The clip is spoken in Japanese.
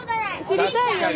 知りたいよね？